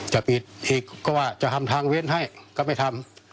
จะปิดอีกก็ว่าจะทำทางเว้นให้ก็ไม่ทำ